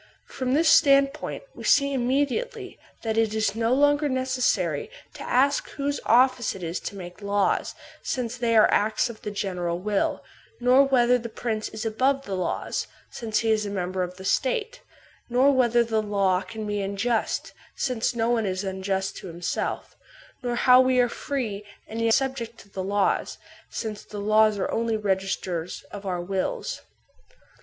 From this standpoint we see immediately that it is no longer necessary to ask whose office it is to make laws, since they are acts of the general will; nor whether the prince is above the laws, since he is a member of the State; nor whether the law can be unjust, since no one is unjust to himself; nor how we are free and yet sub ject to the laws, since the laws are only registers of our wills.